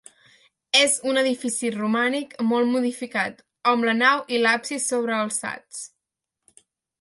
És un edifici romànic molt modificat, amb la nau i l'absis sobrealçats.